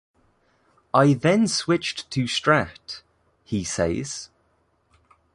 "I then switched to Strat" he says.